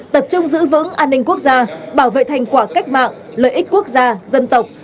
tập trung giữ vững an ninh quốc gia bảo vệ thành quả cách mạng lợi ích quốc gia dân tộc